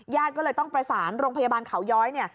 ก็เลยต้องประสานโรงพยาบาลเขาย้อยเนี่ย